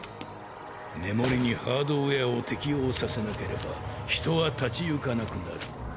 メモリにハードウェアを適応させなければ人は立ち往かなくなる。